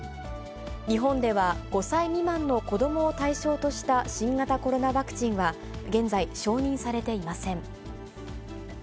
日本では５歳未満の子どもを対象とした新型コロナワクチンは現在、承認されていません。